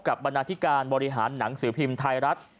บรรณาธิการบริหารหนังสือพิมพ์ไทยรัฐ